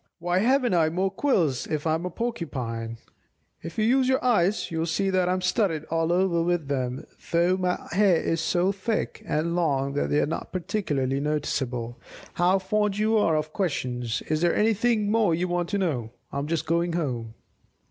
Why haven't I more quills if I am a Porcupine? If you use your eyes, you'll see that I am studded all over with them, though my hair is so thick and long that they are not particularly noticeable. How fond you are of questions! Is there anything more you want to know? I'm just going home."